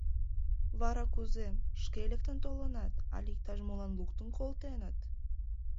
— Вара кузе: шке лектын толынат але иктаж молан луктын колтеныт?